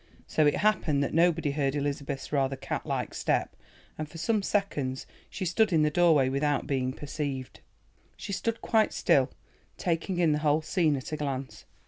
So it happened that nobody heard Elizabeth's rather cat like step, and for some seconds she stood in the doorway without being perceived. She stood quite still, taking in the whole scene at a glance.